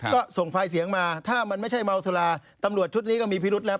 ก็ส่งไฟล์เสียงมาถ้ามันไม่ใช่เมาสุราตำรวจชุดนี้ก็มีพิรุษแล้ว